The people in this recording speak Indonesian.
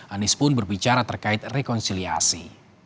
anies pun berbicara terkait rekonsiliasi